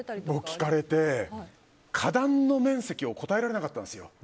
僕、聞かれて花壇の面積を答えられなかったんですよ。